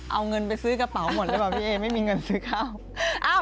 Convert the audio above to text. เอาเงินไปซื้อกระเป๋าหมดหรือเปล่าพี่เอไม่มีเงินซื้อข้าว